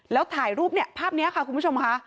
แล้วถ่ายรูปเนี่ยภาพนี้ค่ะคุณผู้ชมค่ะ